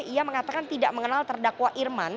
ia mengatakan tidak mengenal terdakwa irman